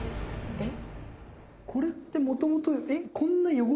えっ！